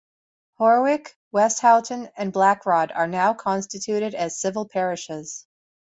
Horwich, Westhoughton and Blackrod are now constituted as civil parishes.